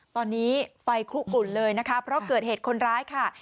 ตอนนี้ไฟคลุกลุ่นเลยนะคะเพราะเกิดเหตุคนร้ายค่ะ